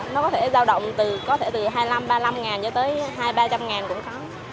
nó có thể giao động từ có thể từ hai mươi năm ba mươi năm ngàn cho tới hai trăm linh ba trăm linh ngàn cũng khó